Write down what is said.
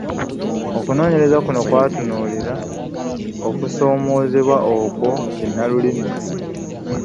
Okunoonyereza kuno kwatunuulira okusoomoozebwa okwo kinnalulimi.